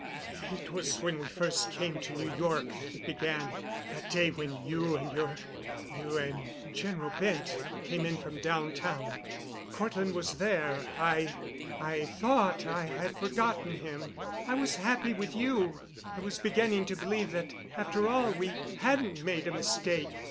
"It was when we first came to New York that it began—that day when you and your—you and General Bent came in from downtown. Cortland was there—I—I thought I had forgotten him. I was happy with you. I was beginning to believe that, after all, we hadn't made a mistake.